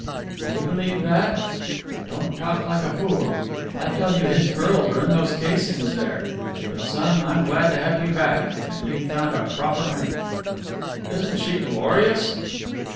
"Do you believe that? Don't talk like a fool! I tell you, his pearls are in those casings there! But, son, I'm glad to have you back. And you've found a proper mate." "Isn't she glorious?"